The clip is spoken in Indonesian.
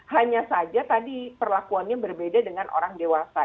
hanya saja tadi perlakuannya berbeda dengan orang dewasa